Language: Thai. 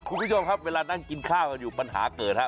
คุณผู้ชมครับเวลานั่งกินข้าวกันอยู่ปัญหาเกิดฮะ